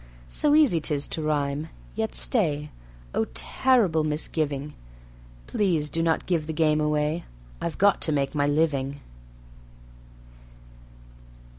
So easy 'tis to rhyme ... yet stay! Oh, terrible misgiving! Please do not give the game away ... I've got to make my living.